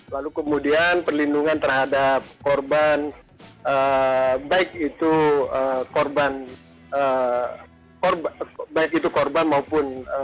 lalu kemudian perlindungan terhadap korban baik itu korban maupun